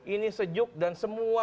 ini sejuk dan menakutkan